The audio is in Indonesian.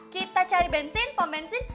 kita cari bensin pom bensin